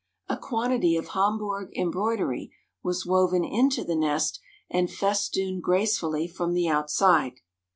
A quantity of Hamburg embroidery was woven into the nest and festooned gracefully from the outside.